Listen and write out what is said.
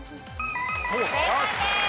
正解です。